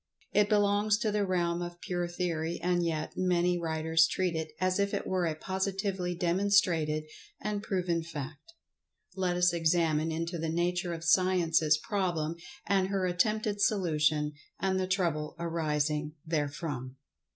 It belongs to the realm of pure theory, and yet, many writers treat it as if it were a positively demonstrated and proven fact. Let us examine into the nature of Science's problem, and her attempted solution, and the trouble arising therefrom.